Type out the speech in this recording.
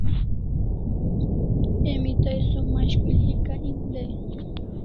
Emi tai som mashkul hika en dai